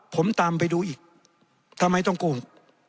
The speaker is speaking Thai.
ผมตามไปดูอีกทำไมต้องโกง